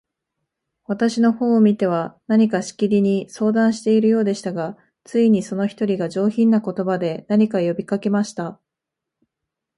私の方を見ては、何かしきりに相談しているようでしたが、ついに、その一人が、上品な言葉で、何か呼びかけました。